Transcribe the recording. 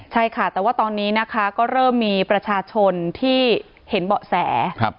ใช่ค่ะแต่ว่าตอนนี้นะคะก็เริ่มมีประชาชนที่เห็นเบาะแส